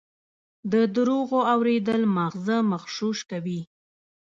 د دروغو اورېدل ماغزه مغشوش کوي.